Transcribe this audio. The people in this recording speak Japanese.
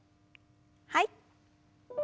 はい。